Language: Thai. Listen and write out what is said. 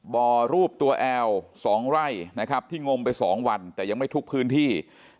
บ่อรูปตัวแอล๒ไร่นะครับที่งมไป๒วันแต่ยังไม่ทุกพื้นที่